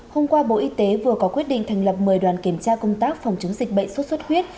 hôm qua bộ y tế vừa có quyết định thành lập một mươi đoàn kiểm tra công tác phòng chống dịch bệnh sốt xuất huyết